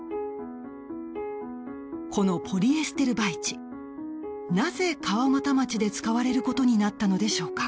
このポリエステル媒地なぜ、川俣町で使われることになったのでしょうか。